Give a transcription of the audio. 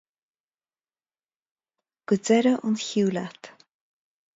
Go deireadh an chiú leat!